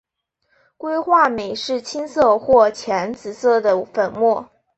硅化镁是青色或浅紫色的粉末。